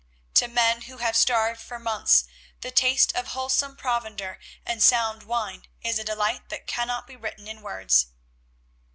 To men who have starved for months the taste of wholesome provender and sound wine is a delight that cannot be written in words.